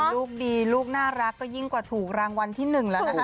ลูกดีลูกน่ารักก็ยิ่งกว่าถูกรางวัลที่๑แล้วนะคะ